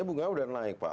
bunga udah naik pak